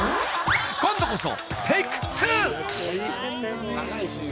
［今度こそ］